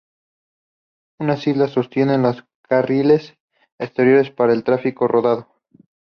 Unas alas sostienen los carriles exteriores para el tráfico rodado.